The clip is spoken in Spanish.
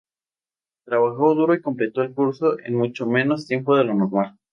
Trabajó duro y completó el curso en mucho menos tiempo de lo normal.